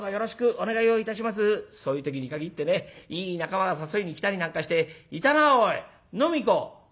そういう時に限ってねいい仲間が誘いに来たりなんかして「いたなおい。飲みに行こう」。